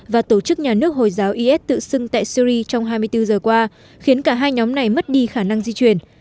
và tổ chức nhà nước hồi giáo is tự xưng tại syri trong hai mươi bốn giờ qua khiến cả hai nhóm này mất đi khả năng di chuyển